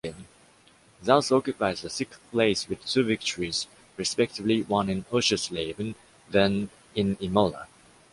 Xaus occupies the sixth place with two victories respectively won in Oschersleben then in Imola.